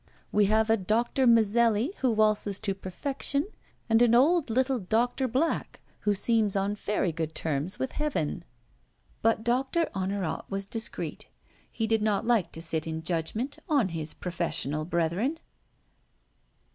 We have a Doctor Mazelli who waltzes to perfection and an old little Doctor Black who seems on very good terms with Heaven." But Doctor Honorat was discreet. He did not like to sit in judgment on his professional brethren.